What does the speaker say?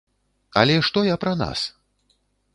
Але што я пра нас?